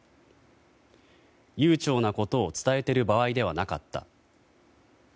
悠長なことを伝えてる場合ではなかった。